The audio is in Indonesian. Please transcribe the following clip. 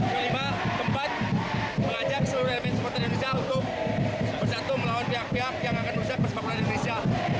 kelima keempat mengajak seluruh elemen sepak bola indonesia untuk bersatu melawan pihak pihak yang akan merusak perspakaan indonesia